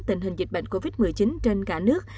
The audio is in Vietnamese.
tình hình dịch bệnh covid một mươi chín trên cả nước